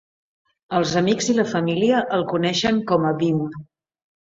Els amics i la família el coneixien com a Bim.